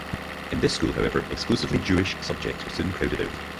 In this school, however, exclusively Jewish subjects were soon crowded out.